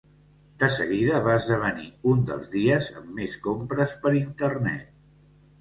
De seguida va esdevenir un dels dies amb més compres per internet.